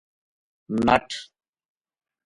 نٹھ